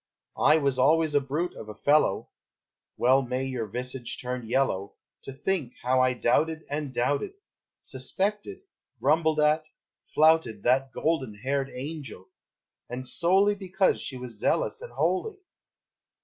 I was always a brute of a fellow! Well may your visage turn yellow, To think how I doubted and doubted, Suspected, grumbled at, flouted That golden haired angel, and solely Because she was zealous and holy!